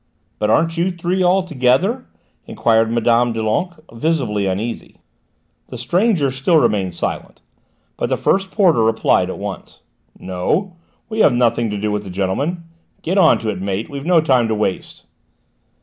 "But aren't you three all together?" enquired Mme. Doulenques, visibly uneasy. The stranger still remained silent, but the first porter replied at once. "No; we have nothing to do with the gentleman. Get on to it, mate! We've no time to waste!"